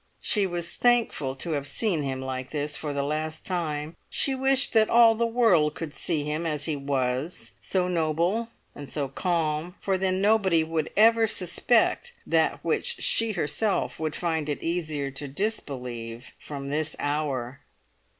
She was thankful to have seen him like this for the last time. She wished that all the world could see him as he was, so noble and so calm, for then nobody would ever suspect that which she herself would find it easier to disbelieve from this hour.